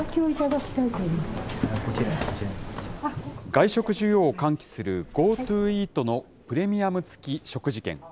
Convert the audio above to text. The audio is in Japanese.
外食需要を喚起するＧｏＴｏイートのプレミアム付き食事券。